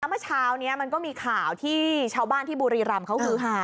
ไปเมื่อเช้ามันก็มีข่าวที่เช้าบ้านที่บูรีรำเขาหืะหา